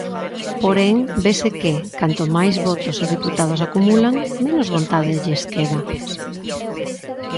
Porén, vese que, canto máis votos e deputados acumulan, menos vontade lles queda.